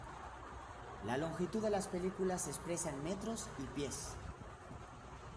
La longitud de las películas se expresa en metros y pies.